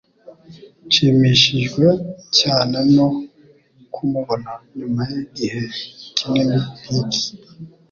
Nshimishijwe cyane no kumubona nyuma yigihe kinini nkiki.